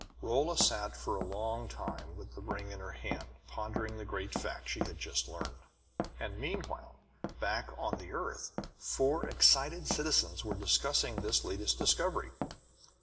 Rolla sat for a long time with the ring in her hand, pondering the great fact she had just learned. And meanwhile, back on the earth, four excited citizens were discussing this latest discovery.